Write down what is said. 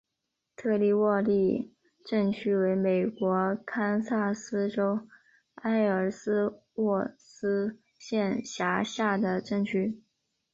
特里沃利镇区为美国堪萨斯州埃尔斯沃思县辖下的镇区。